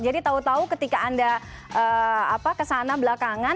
jadi tahu tahu ketika anda kesana belakangan